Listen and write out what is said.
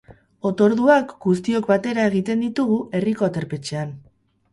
Otorduak guztiok batera egiten ditugu, herriko aterpetxean.